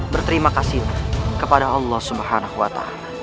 berterima kasih kepada allah swt